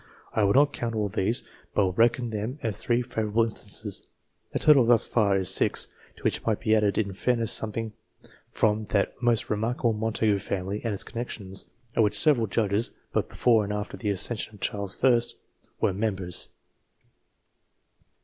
I will not count all these, but will reckon them as three favourable instances. The total, thus far, is six ; to which might be added in fairness something from that most remarkable Montagu family and its connexions, of which several judges, both before and after the acces sion of Charles I., were members.